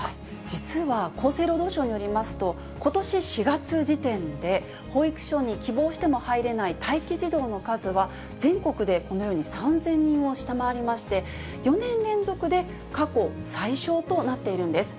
実は厚生労働省によりますと、ことし４月時点で、保育所に希望しても入れない待機児童の数は、全国でこのように３０００人を下回りまして、４年連続で過去最少となっているんです。